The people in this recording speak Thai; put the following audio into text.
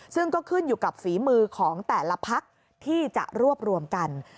ซึ่งก็ขึ้นอยู่กับฝีมือของแต่ละพักที่จะรวบรวมกัน